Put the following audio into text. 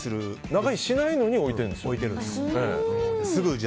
長居しないのに置いているんですよ。